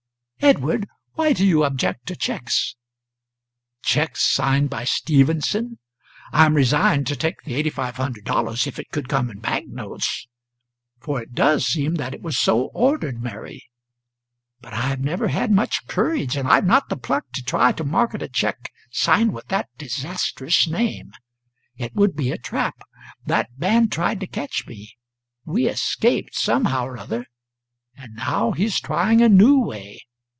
"Edward, why do you object to cheques?" "Cheques signed by Stephenson! I am resigned to take the $8,500 if it could come in bank notes for it does seem that it was so ordered, Mary but I have never had much courage, and I have not the pluck to try to market a cheque signed with that disastrous name. It would be a trap. That man tried to catch me; we escaped somehow or other; and now he is trying a new way.